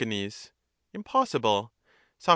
Impossible. Soc.